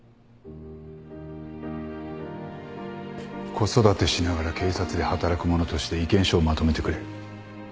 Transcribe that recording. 子育てしながら警察で働く者として意見書をまとめてくれ。